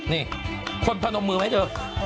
นี่คนพนมมือไหมเถอะ